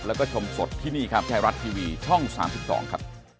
แล้วก็ชมสดที่นี่ครับไทยรัฐทีวีช่อง๓๒ครับ